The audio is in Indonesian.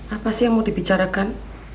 apa sih yang mau dibicarakan